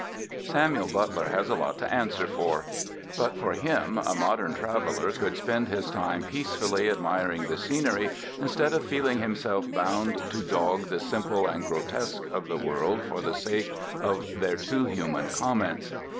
Samuel Butler has a lot to answer for. But for him, a modern traveler could spend his time peacefully admiring the scenery instead of feeling himself bound to dog the simple and grotesque of the world for the sake of their too human comments.